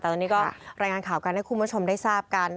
แต่ตอนนี้ก็รายงานข่าวกันให้คุณผู้ชมได้ทราบกัน